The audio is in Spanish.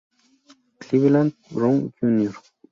Cleveland Brown Jr.